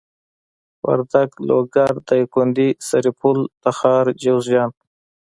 وردک لوګر دايکندي سرپل تخار جوزجان